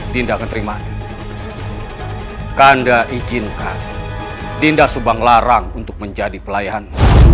dinda keterima kanda izinkan dinda subang larang untuk menjadi pelayan